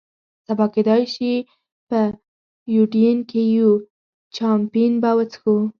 سبا کېدای شي په یوډین کې یو، چامپېن به وڅښو.